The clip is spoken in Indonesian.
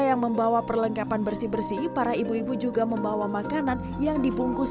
yang membawa perlengkapan bersih bersih para ibu ibu juga membawa makanan yang dibungkus